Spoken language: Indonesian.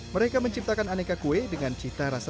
mereka menciptakan aneka kue dengan cita rasa